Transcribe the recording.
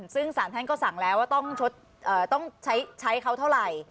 ซึ่งศาลท่านก็สั่งแล้วว่าต้องชดเอ่อต้องใช้ใช้เขาเท่าไหร่